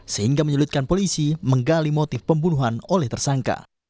sehingga menyulitkan polisi menggali motif pembunuhan oleh tersangka